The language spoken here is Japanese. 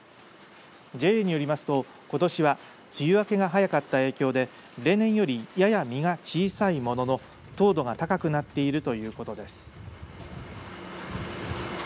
ＪＡによりますと、ことしは梅雨明けが早かった影響で例年より実がやや小さいものの糖度が高くなっているということです。